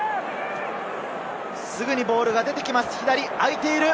すぐにボールが出てきます。